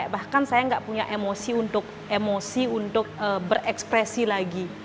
bahkan saya nggak punya emosi untuk berekspresi lagi